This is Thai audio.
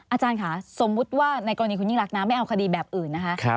อาจารย์ค่ะสมมุติว่าในกรณีคุณยิ่งรักนะไม่เอาคดีแบบอื่นนะคะ